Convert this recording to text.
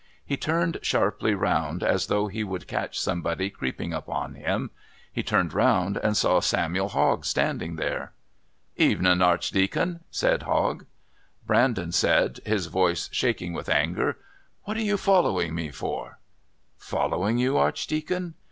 He turned sharply round as though he would catch somebody creeping upon him. He turned round and saw Samuel Hogg standing there. "Evening, Archdeacon," said Hogg. Brandon said, his voice shaking with anger: "What are you following me for?" "Following you, Archdeacon?"